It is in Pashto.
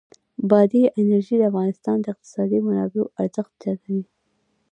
بادي انرژي د افغانستان د اقتصادي منابعو ارزښت زیاتوي.